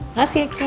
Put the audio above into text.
makasih ya kek